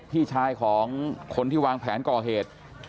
พี่ชายของคนที่วางแผนก่อเหตุ